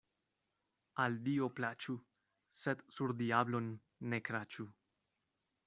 Al Dio plaĉu, sed sur diablon ne kraĉu.